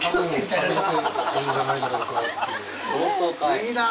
いいなぁ。